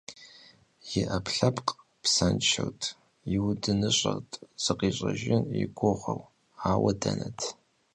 И ӏэпкълъэпкъ псэншэр иудыныщӏэрт, зыкъищӏэжын и гугъэу. Ауэ дэнэт…